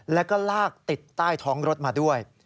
แล้วก็ลากติดใต้ท้องรถมาด้วย